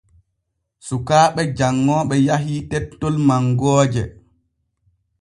Sukaaɓe janŋooɓe yahii tettol mangooje.